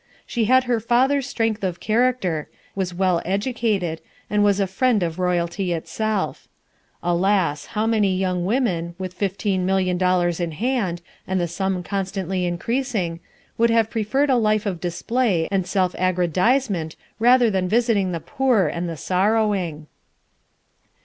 She had her father's strength of character, was well educated, and was a friend of royalty itself. Alas, how many young women, with fifteen million dollars in hand, and the sum constantly increasing, would have preferred a life of display and self aggrandizement rather than visiting the poor and the sorrowing!